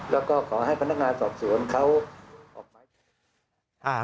แล้วก็ขอให้พนักงานสอบสวนเขา